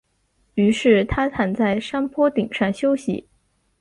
于是他躺在山坡顶上休息。